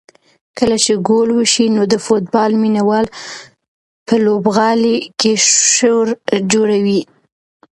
کله چې ګول وشي نو د فوټبال مینه وال په لوبغالي کې شور جوړوي.